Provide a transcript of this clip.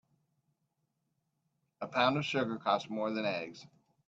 A pound of sugar costs more than eggs.